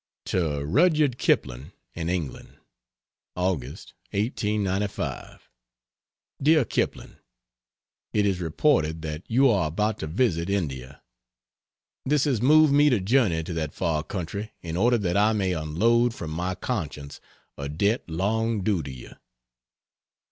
To Rudyard Kipling, in England: August, 1895. DEAR KIPLING, It is reported that you are about to visit India. This has moved me to journey to that far country in order that I may unload from my conscience a debt long due to you.